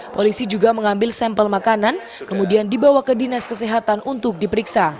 polisi juga mengambil sampel makanan kemudian dibawa ke dinas kesehatan untuk diperiksa